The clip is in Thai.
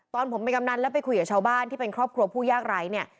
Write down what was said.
ตอนผมเป็นกำนันแล้วไปคุยกับชาวบ้านที่เป็นครอบครัวผู้ยากไร้เนี่ย